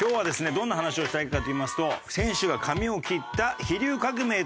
どんな話をしたいかといいますと選手が髪を切った飛龍革命という話。